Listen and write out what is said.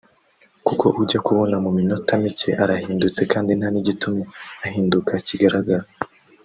kuko ujya kubona mu minota mike arahindutse kandi nta n’igitumye ahinduka kigaragara